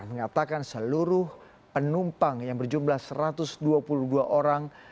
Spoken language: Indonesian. mengatakan seluruh penumpang yang berjumlah satu ratus dua puluh dua orang